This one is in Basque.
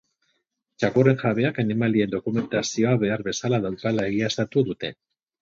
Txakurren jabeak animalien dokumentazioa behar bezala daukala egiaztatu dute.